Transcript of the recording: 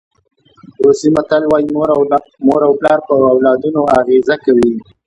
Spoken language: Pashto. روسي متل وایي مور او پلار په اولادونو اغېزه کوي.